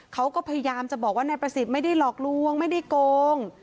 เขาก็พยายามจะบอกว่านายประสิทธิ์ไม่ได้หลอกลวงไม่ได้โกง